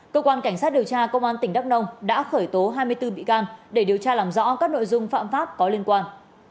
cơ quan cảnh sát điều tra công an tỉnh đắk nông đã khởi tố hai mươi bốn bị can để điều tra làm rõ các nội dung phạm pháp có liên quan